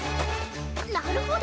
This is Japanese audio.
なるほど！